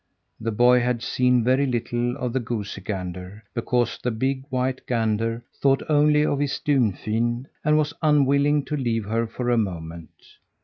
The boy had seen very little of the goosey gander, because the big, white gander thought only of his Dunfin and was unwilling to leave her for a moment.